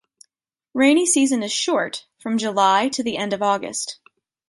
Rainy season is short, from July to the end of August.